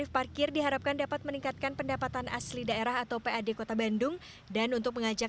parkir diharapkan dapat meningkatkan pendapatan asli daerah atau pad kota bandung dan untuk mengajak